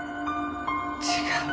違う。